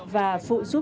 và phụ giúp cứu người